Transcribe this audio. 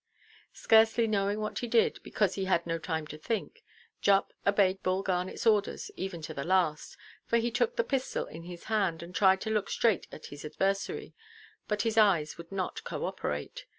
Scarcely knowing what he did, because he had no time to think, Jupp obeyed Bull Garnetʼs orders even to the last—for he took the pistol in his hand, and tried to look straight at his adversary; but his eyes would not co–operate.